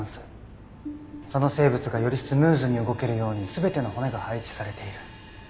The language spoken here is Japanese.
その生物がよりスムーズに動けるように全ての骨が配置されている。